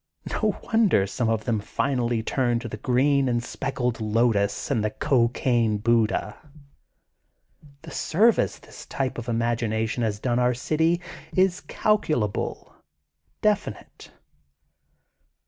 No wonder some of them finally turn to the green and speckled lotus and the cocaine Buddha. ^*The service this type of imagination has done our city is calculable, definite.